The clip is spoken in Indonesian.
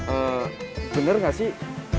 eh bener gak sih